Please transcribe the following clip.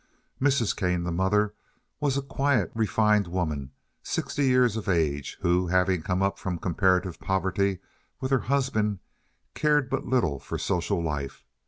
Mrs. Kane, the mother, was a quiet, refined woman, sixty years of age, who, having come up from comparative poverty with her husband, cared but little for social life.